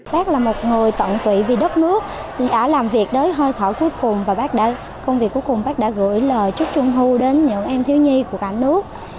bác là một người tận tụy vì đất nước đã làm việc tới thời thở cuối cùng và công việc cuối cùng bác đã gửi lời chúc chung hưu đến những em thiếu nhi của cả nước